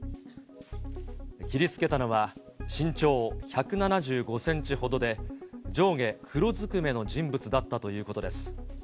切りつけたのは、身長１７５センチほどで、上下黒ずくめの人物だったということです。